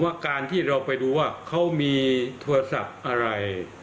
ว่าการที่เราไปดูว่าเขามีโทรศัพท์อะไร